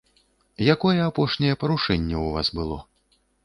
Якое апошняе парушэнне ў вас было?